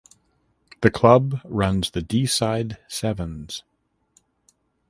The club runs the Deeside Sevens.